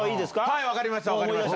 はい分かりました。